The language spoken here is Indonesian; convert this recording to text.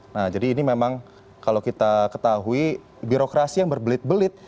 nah jadi ini memang kalau kita ketahui birokrasi yang berbelit belit